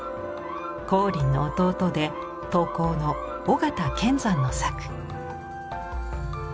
光琳の弟で陶工の尾形乾山の作。